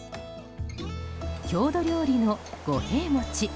郷土料理の五平餅。